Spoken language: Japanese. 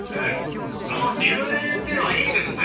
あの立礼っていうのはいいですね。